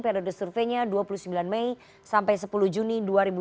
periode surveinya dua puluh sembilan mei sampai sepuluh juni dua ribu dua puluh